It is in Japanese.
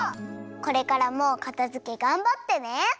これからもかたづけがんばってね。